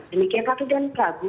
demikian ratu dan perabu